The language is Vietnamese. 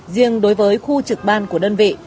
riêng đối với khu trực ban của đơn vị